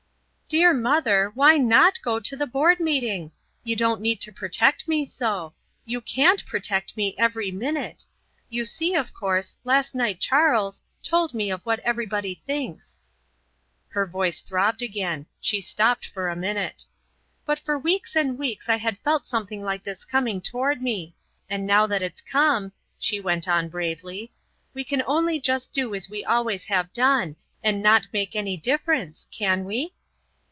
"Dear mother, why NOT go to the board meeting? You don't need to protect me so. You CAN'T protect me every minute. You see, of course, last night Charles told me of what everybody thinks." Her voice throbbed again. She stopped for a minute. "But for weeks and weeks I had felt something like this coming toward me. And now that it's come," she went on, bravely, "we can only just do as we always have done and not make any difference can we?"